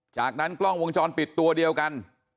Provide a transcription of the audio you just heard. จากนั้นกล้องวงจรปิดตัวเดียวกัน